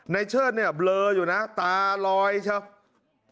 ไนเชิดเนี่ยเบลออยู่นะตาลอยใช่ไหม